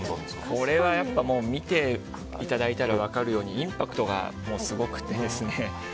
これはもう見ていただいたら分かるようにインパクトがすごくてですね。